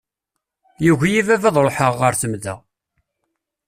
Yugi-iyi baba ad ṛuḥeɣ ɣer temda.